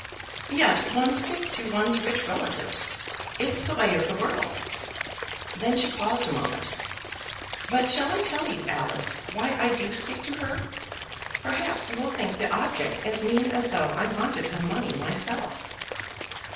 "Yet one sticks to one's rich relatives. It's the way of the world." Then she paused a moment. "But shall I tell you, Alice, why I do stick to her? Perhaps you'll think the object as mean as though I wanted her money myself."